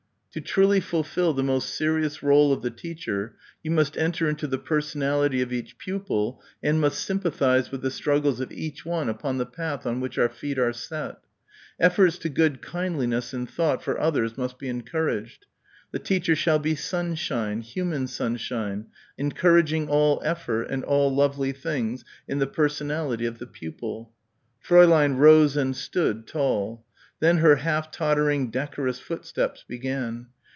"To truly fulfil the most serious rôle of the teacher you must enter into the personality of each pupil and must sympathise with the struggles of each one upon the path on which our feet are set. Efforts to good kindliness and thought for others must be encouraged. The teacher shall be sunshine, human sunshine, encouraging all effort and all lovely things in the personality of the pupil." Fräulein rose and stood, tall. Then her half tottering decorous footsteps began.